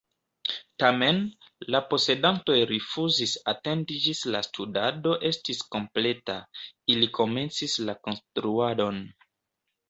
Tamen, la posedantoj rifuzis atendi ĝis la studado estis kompleta: ili komencis la konstruadon!